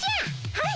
はい！